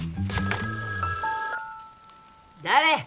誰？